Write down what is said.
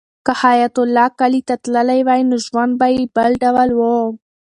که حیات الله کلي ته تللی وای نو ژوند به یې بل ډول و.